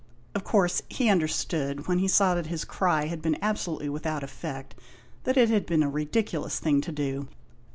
Of course, he understood, when he saw that his cry had been absolutely without effect, that it had been a ridiculous thing to do.